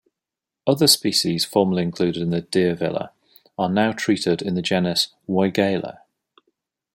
Other species formerly included in "Diervilla" are now treated in the genus "Weigela".